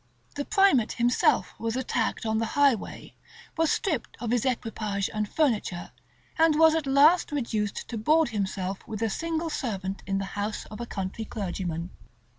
The primate himself was attacked on the highway, was stripped of his equipage and furniture, and was at last reduced to board himself with a single servant in the house of a country clergyman.